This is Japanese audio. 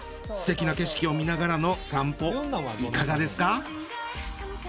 すてきな景色を見ながらの散歩いかがですか？